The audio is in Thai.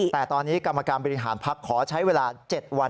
แต่ตอนนี้กรรมการบริหารพักขอใช้เวลา๗วัน